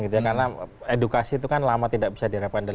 karena edukasi itu kan lama tidak bisa direpandang